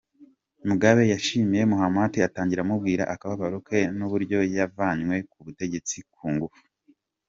Mugabe yashimiye Mahamat, atangira amubwira akababaro ke n’uburyo yavanywe ku butegetsi ku ngufu.